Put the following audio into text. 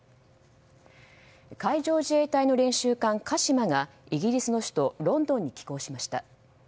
海上自衛隊の練習艦「かしま」がイギリスの首都ロンドンに寄港しました。